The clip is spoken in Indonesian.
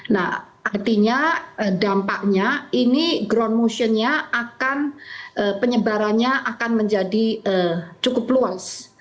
nah artinya dampaknya ini ground motionnya akan penyebarannya akan menjadi cukup luas